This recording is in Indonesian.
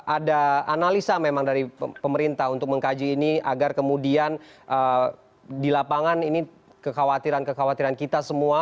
ada analisa memang dari pemerintah untuk mengkaji ini agar kemudian di lapangan ini kekhawatiran kekhawatiran kita semua